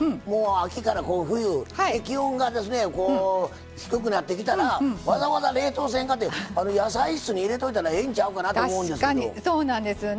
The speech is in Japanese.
秋から冬気温が低くなってきたらわざわざ冷凍せんかって野菜室に入れといたらええんちゃうかなと思うんですけど。